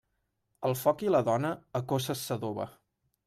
El foc i la dona, a coces s'adoba.